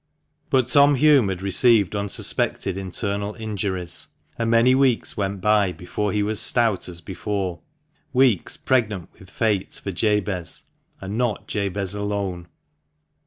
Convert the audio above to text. But Tom Hulme had received unsuspected internal injuries, and many weeks went by before he was stout as before — weeks pregnant with fate for Jabez ; and not Jabez alone.